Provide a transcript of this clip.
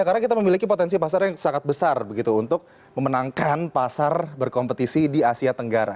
karena kita memiliki potensi pasar yang sangat besar begitu untuk memenangkan pasar berkompetisi di asia tenggara